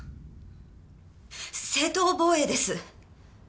正当防衛です。